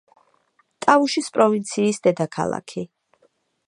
ტავუშის პროვინციის დედაქალაქი.